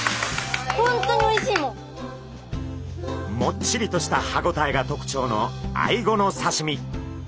もっちりとした歯応えが特徴のアイゴの刺身。